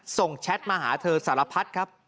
แชทมาหาเธอสารพัดครับ